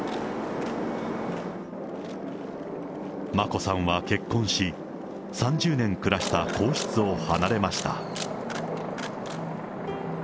眞子さんは結婚し、３０年暮らした皇室を離れました。